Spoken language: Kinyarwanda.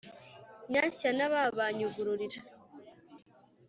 Nyanshya nababa nyugururira